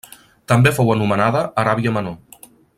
També fou anomenada Aràbia Menor.